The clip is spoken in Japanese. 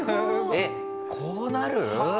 えっこうなる？